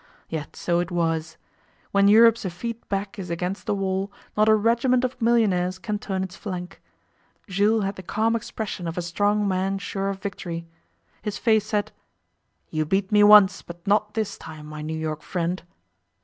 Yet so it was. When Europe's effete back is against the wall not a regiment of millionaires can turn its flank. Jules had the calm expression of a strong man sure of victory. His face said: 'You beat me once, but not this time, my New York friend!